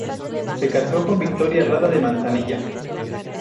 Se casó con Victoria Rada de Manzanilla.